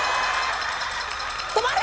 止まれ！